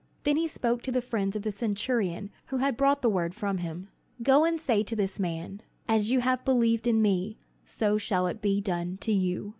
Then he spoke to the friends of the centurion who had brought the word from him: "Go and say to this man, 'As you have believed in me, so shall it be done to you.'"